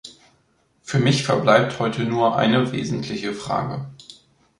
Für mich verbleibt heute nur eine wesentliche Frage.